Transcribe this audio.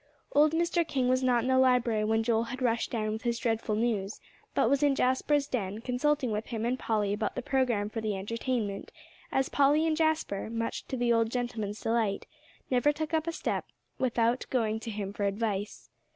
Old Mr. King was not in the library when Joel had rushed down with his dreadful news, but was in Jasper's den, consulting with him and Polly about the program for the entertainment, as Polly and Jasper, much to the old gentleman's delight, never took a step without going to him for advice.